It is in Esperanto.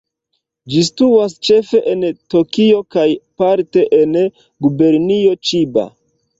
Ĝi situas ĉefe en Tokio kaj parte en Gubernio Ĉiba.